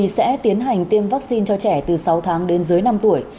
sẽ tiến hành tiêm vaccine cho trẻ từ sáu tháng đến dưới năm tuổi